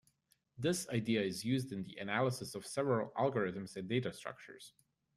This idea is used in the analysis of several algorithms and data structures.